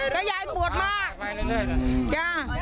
แล้วยายปวดมา